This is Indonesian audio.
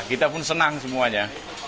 kita pun senang semuanya